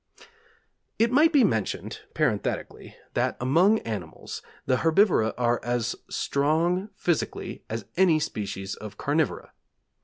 It might be mentioned, parenthetically, that among animals, the herbivora are as strong physically as any species of carnivora.